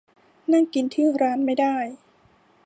นั่งกินที่ร้านไม่ได้